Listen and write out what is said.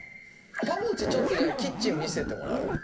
ぱもちちょっとじゃあキッチン見せてもらう？